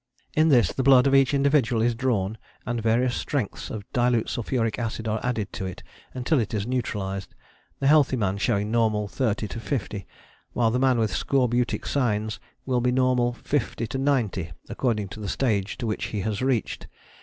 In this the blood of each individual is drawn and various strengths of dilute sulphuric acid are added to it until it is neutralized, the healthy man showing normal 30 to 50, while the man with scorbutic signs will be normal 50 to 90 according to the stage to which he has reached.